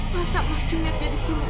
pasang mas junet jadi siluman